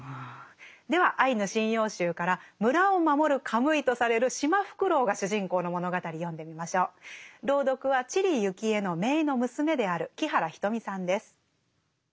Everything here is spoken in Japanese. では「アイヌ神謡集」から村を守るカムイとされるシマフクロウが主人公の物語読んでみましょう。朗読は知里幸恵の姪の娘である木原仁美さんです。